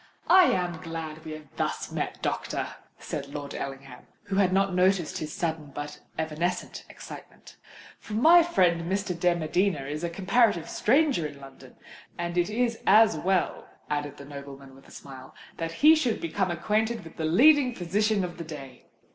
"I am glad we have thus met, doctor," said Lord Ellingham, who had not noticed his sudden, but evanescent excitement; "for my friend Mr. de Medina is a comparative stranger in London, and it is as well," added the nobleman, with a smile, "that he should become acquainted with the leading physician of the day."